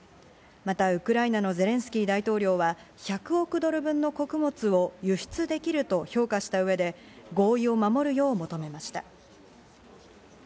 またウクライナのゼレンスキー大統領は１００億ドル分の穀物を輸出できると評価した上で合意を守るよう求めました。